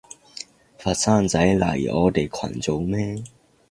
佛山仔嚟我哋群做乜？